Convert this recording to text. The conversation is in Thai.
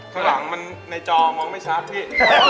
ข้างหลังมันในจอมองไม่ชัดพี่